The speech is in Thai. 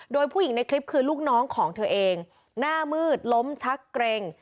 โดยผู้หญิงในคลิปคือลูกน้องของเธอเองหน้ามืดล้มชักเกร็ง